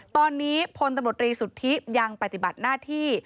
ตอนนี้พลตำรวจรีสุทธิยังปฏิบัติหน้าที่